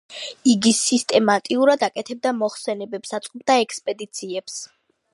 იგი სისტემატურად აკეთებდა მოხსენებებს, აწყობდა ექსპედიციებს.